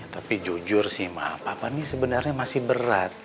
tapi jujur sih ma papa ini sebenarnya masih berat